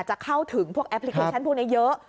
จะเข้าถึงพวกแอปพลิเคชันพวกนี้เยอะ